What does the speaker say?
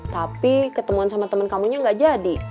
tapi ketemuan sama temen kamunya gak jadi